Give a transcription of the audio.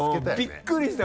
びっくりした！